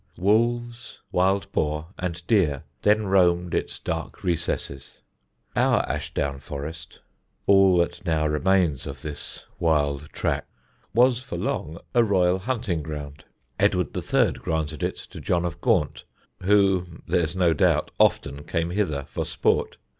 Wolves, wild boar and deer then roamed its dark recesses. Our Ashdown Forest all that now remains of this wild track was for long a Royal hunting ground. Edward III. granted it to John of Gaunt, who, there's no doubt, often came hither for sport.